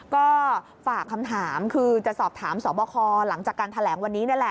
ก็ฝากคำถามคือจะสอบถามสอบคอหลังจากการแถลงวันนี้นี่แหละ